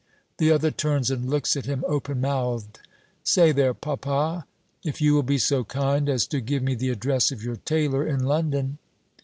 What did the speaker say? The other turns and looks at him, open mouthed. "Say there, papa, if you will be so kind as to give me the address of your tailor in London!"